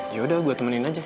yaudah gue temenin aja